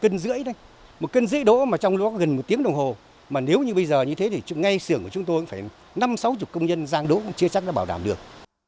nếu mà trong lúc gần một tiếng đồng hồ mà nếu như bây giờ như thế thì ngay xưởng của chúng tôi cũng phải năm sáu mươi công nhân rang đỗ cũng chưa chắc đã bảo đảm được